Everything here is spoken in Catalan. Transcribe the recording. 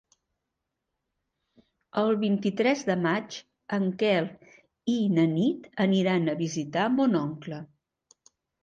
El vint-i-tres de maig en Quel i na Nit aniran a visitar mon oncle.